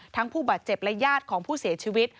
ผู้บาดเจ็บและญาติของผู้เสียชีวิต